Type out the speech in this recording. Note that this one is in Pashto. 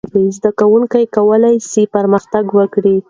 زده کوونکي کولای سي پرمختګ وکړي.